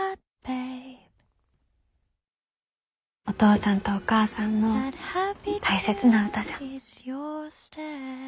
お父さんとお母さんの大切な歌じゃ。